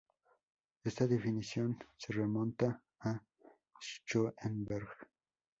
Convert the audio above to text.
Esta definición se remonta a Schoenberg.